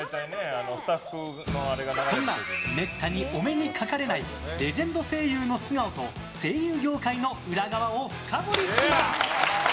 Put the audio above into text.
そんなめったにお目にかかれないレジェンド声優の素顔と声優業界の裏側を深掘りします！